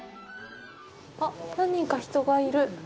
あっ、何人か人がいる。